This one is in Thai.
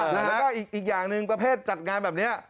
แล้วก็อีกอย่างหนึ่งประเภทจัดงานแบบนี้